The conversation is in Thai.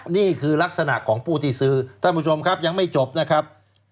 นี่คือลักษณะของผู้ที่ซื้อท่านผู้ชมครับยังไม่จบนะครับ